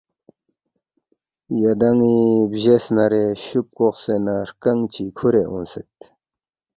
یدانی بجیس نارے شوپ کوقسے نہ ہرکنگ چی کھورے اونگسید